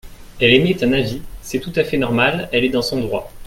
Elle émet un avis : c’est tout à fait normal, elle est dans son droit.